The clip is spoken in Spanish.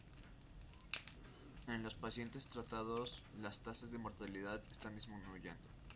En los pacientes tratados las tasas de mortalidad están disminuyendo.